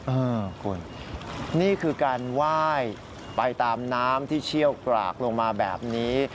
เออคุณนี่คือการไหว้ไปตามน้ำที่เชี่ยวกรากลงมาแบบนี้